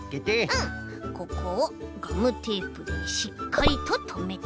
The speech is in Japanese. ここをガムテープでしっかりととめて。